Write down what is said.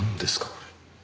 これ。